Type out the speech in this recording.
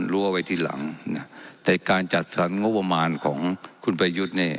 รั้วไว้ทีหลังนะแต่การจัดสรรงบประมาณของคุณประยุทธ์เนี่ย